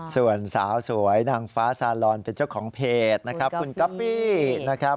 ส่วนสาวสวยนางฟ้าซาลอนเป็นเจ้าของเพจนะครับ